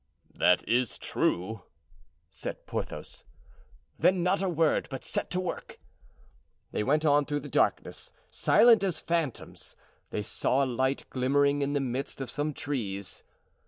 "That is true," said Porthos. "Then not a word, but set to work!" They went on through the darkness, silent as phantoms; they saw a light glimmering in the midst of some trees.